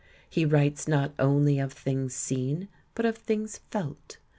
He writes not only of things seen, but of things felt.